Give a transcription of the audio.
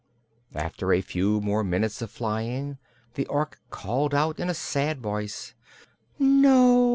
After a few more minutes of flying the Ork called out in a sad voice: "No!